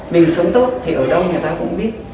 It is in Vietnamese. mình sống tốt thì ở đâu người ta cũng biết